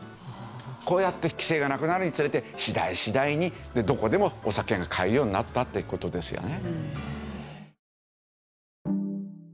こうやって規制がなくなるにつれて次第次第にどこでもお酒が買えるようになったって事ですよね。